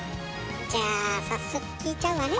じゃあ早速聞いちゃうわね。